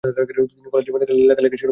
তিনি কলেজ জীবন থেকে লেখালেখি শুরু করেছেন।